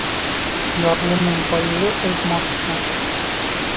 Ярлының байыуы ожмахта.